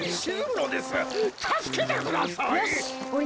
たすけてください！